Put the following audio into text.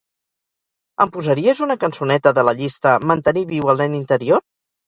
Em posaries una cançoneta de la llista "mantenir viu el nen interior"?